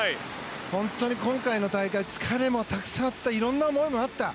本当に今回の大会疲れもたくさんあった色んな思いもあった。